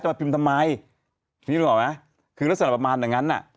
จะมาพิมพ์ทำไมคือรัศนาประมาณเหมือนกันน่ะ